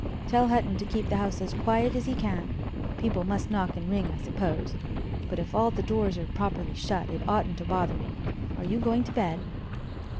Tell Hutton to keep the house as quiet as he can. People must knock and ring, I suppose; but if all the doors are properly shut it oughtn't to bother me. Are you going to bed?"